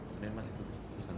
sebenarnya masih putusan